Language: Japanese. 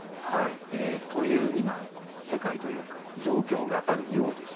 という今、世界というか状況があるようです。